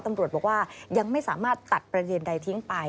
ตำรวจบอกว่ายังไม่สามารถตัดประเด็นใดทิ้งไป